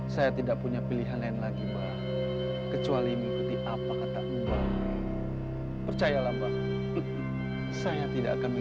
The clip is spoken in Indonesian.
saya tidak akan mengingat